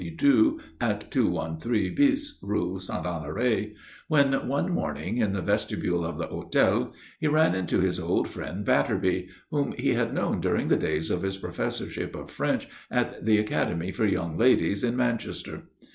Bidoux at 213 bis, Rue Saint Honoré, when, one morning, in the vestibule of the hotel, he ran into his old friend Batterby, whom he had known during the days of his professorship of French at the Academy for Young Ladies in Manchester.